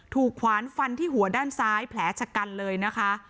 ขวานฟันที่หัวด้านซ้ายแผลชะกันเลยนะคะ